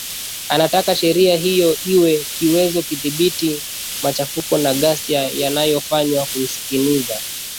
anataka sheria hiyo ili kuweza kudhibiti machafuko na ghasia yanayofanywa kumshinikiza